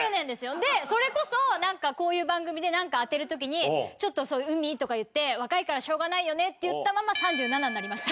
でそれこそこういう番組でなんか当てる時にちょっとそういう「海」とか言って「若いからしょうがないよね」って言ったまま３７になりました。